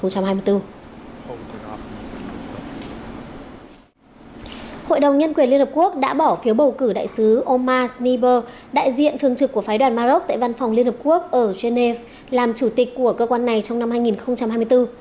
hội đồng nhân quyền liên hợp quốc đã bỏ phiếu bầu cử đại sứ omar sniper đại diện thường trực của phái đoàn maroc tại văn phòng liên hợp quốc ở geneva làm chủ tịch của cơ quan này trong năm hai nghìn hai mươi bốn